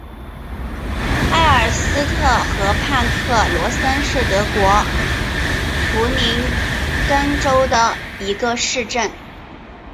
埃尔斯特河畔克罗森是德国图林根州的一个市镇。